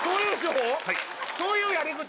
そういうやり口？